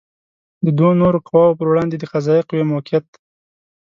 د دوو نورو قواوو پر وړاندې د قضائیه قوې موقعیت